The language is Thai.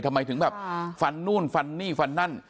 ทำไมถึงแบบฟันนู่นฟันนี่ฟันนั่น